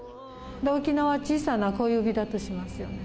沖縄は小さな小指だとしますよね。